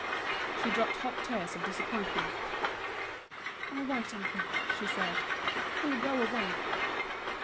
She dropped hot tears of disappointment. "All right, uncle," she said, "we'll go away."